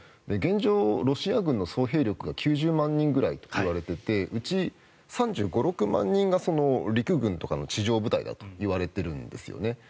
現状、ロシア軍の総兵力が９０万人くらいといわれていてうち３５３６万人が地上部隊だといわれているんですね。